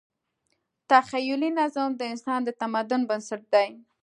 تخیلي نظم د انسان د تمدن بنسټ دی.